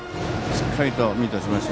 しっかりとミートしました。